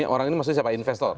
orang ini maksudnya siapa investor